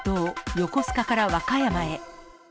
横須賀から和歌山へ。